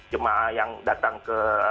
jemaah yang datang ke